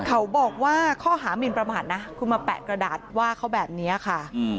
เขาบอกว่าข้อหามินประมาทนะคุณมาแปะกระดาษว่าเขาแบบนี้ค่ะ